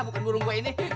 bukan burung gua ini